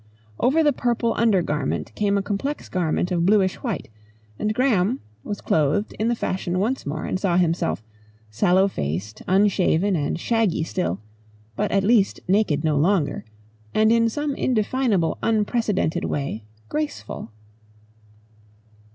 Over the purple under garment came a complex garment of bluish white, and Graham, was clothed in the fashion once more and saw himself, sallow faced, unshaven and shaggy still, but at least naked no longer, and in some indefinable unprecedented way graceful.